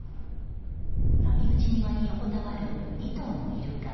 波打ち際に横たわる２頭のイルカ。